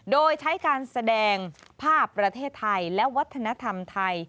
โดยใช้การแสดงภาพประเทศไทยและวัฒนธรรมไทย